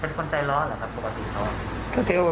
เป็นคนใจร้อนเหรอครับปกติเขา